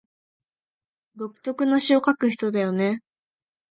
独特の詩を書く人だよね